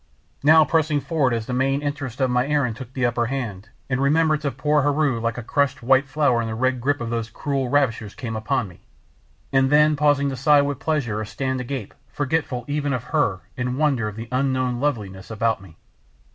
Now pressing forward as the main interest of my errand took the upper hand, and remembrance of poor Heru like a crushed white flower in the red grip of those cruel ravishers came upon me, and then pausing to sigh with pleasure or stand agape forgetful even of her in wonder of the unknown loveliness about me.